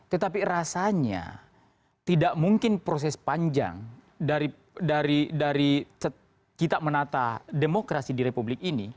tetapi rasanya tidak mungkin proses panjang dari kita menata demokrasi di republik ini